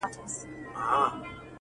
پر ګودر دي مېلمنې د بلا سترګي!